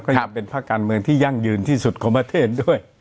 ยังเป็นภาคการเมืองที่ยั่งยืนที่สุดของประเทศด้วย